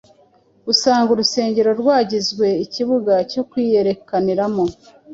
Usanga urusengero rwagizwe ikibuga cyo kwiyerekaniramo,